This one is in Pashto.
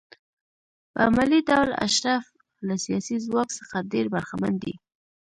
په عملي ډول اشراف له سیاسي ځواک څخه ډېر برخمن دي.